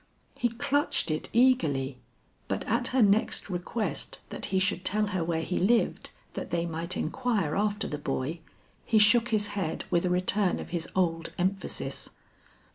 He clutched it eagerly, but at her next request that he should tell her where he lived that they might inquire after the boy, he shook his head with a return of his old emphasis.